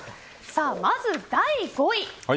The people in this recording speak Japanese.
まず、第５位。